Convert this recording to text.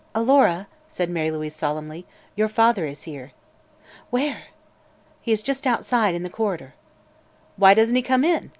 "Alora," said Mary Louise solemnly, "your father is here." "Where?" "He is just outside, in the corridor." "Why doesn't he come in?"